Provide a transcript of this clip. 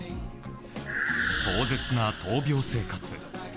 壮絶な闘病生活。